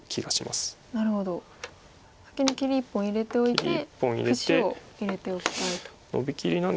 なるほど先に切り１本入れておいて節を入れておきたいと。